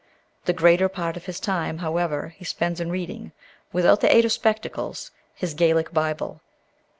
The greater part of his time, however, he spends in reading, without the aid of spectacles, his Gaelic Bible.